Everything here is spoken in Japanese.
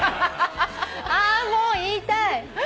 あもう言いたい！